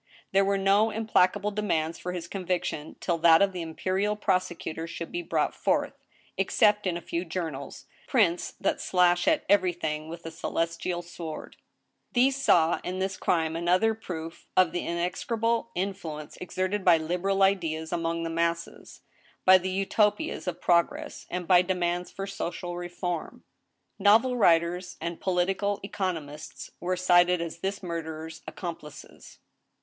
There were no implacable demands for his conviction (till that of the imperial prosecutor should be brought forth) except in a few journals, prints that slash at everything with a celestial sword. These saw in this crime another proof of the execrable influence exerted by liberal ideas among the masses, by the Utopias of prog ress, and by demands for social reform. Novel writers and political economists were cited as this mur derer's accomplices.